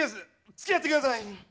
つきあって下さい。